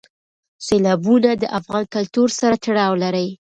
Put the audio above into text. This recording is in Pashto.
سیلابونه د افغان کلتور سره تړاو لري.